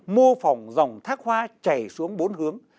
mô phỏng dòng thác hoa chảy xuống bốn hướng